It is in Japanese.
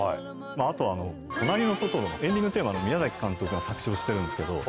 あとは『となりのトトロ』のエンディングテーマ宮監督が作詞をしてるんですけど。